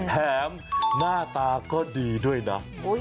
หน้าตาก็ดีด้วยนะ